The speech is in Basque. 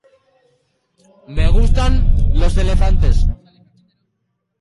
Gainera, abstrakzio-maila handiagoko modeloak bezeroarekiko komunikazioarentzat erabil daitezke.